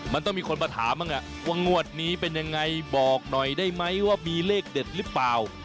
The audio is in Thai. มันต้องมีคนมาถามบ้างว่างวดนี้เป็นยังไงบอกหน่อยได้ไหมว่ามีเลขเด็ดหรือเปล่า